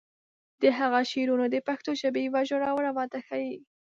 د هغه شعرونه د پښتو ژبې یوه ژوره وده ښیي.